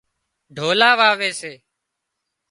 ڍولا واوي سي